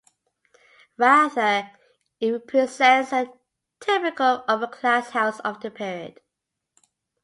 Rather, it represents a typical upper-class house of the period.